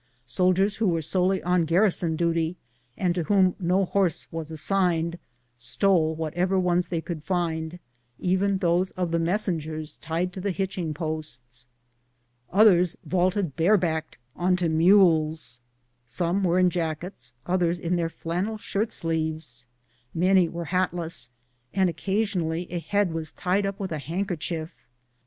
Soldiers who were solely on garrison duty, and to whom no horse was assigned, stole whatever ones they could find, even those of the messengers tied to the hitching posts. Others vaulted on to mules barebacked. Some were in jackets, others in their flan nel shirt sleeves. Many were hatless, and occasionally a head was tied up with a handkerchief.